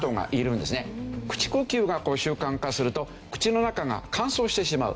口呼吸が習慣化すると口の中が乾燥してしまう。